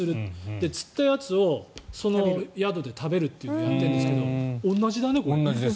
で、釣ったやつをその宿で食べるというのをやってるんですけど同じだね。